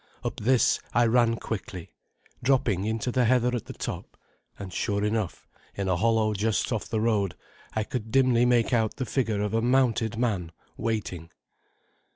Up this I ran quickly, dropping into the heather at the top; and sure enough, in a hollow just off the road I could dimly make out the figure of a mounted man waiting.